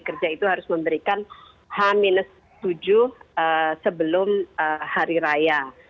kerja itu harus memberikan h tujuh sebelum hari raya